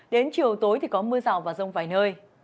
đến chiều tối thì có mưa rào và rông vài nơi